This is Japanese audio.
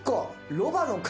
ロバの皮？